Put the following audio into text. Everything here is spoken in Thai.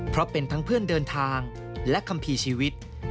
เพราะเป็นทั้งเพื่อนเดินทางและคัมภีร์ชีวิต